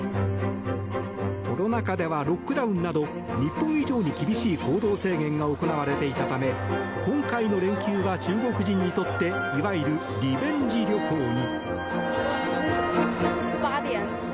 コロナ禍ではロックダウンなど日本以上に厳しい行動制限が行われていたため今回の連休は中国人にとっていわゆるリベンジ旅行に。